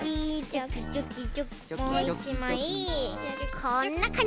こんなかんじ。